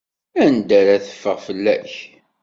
Anda ara teffeɣ fell-ak?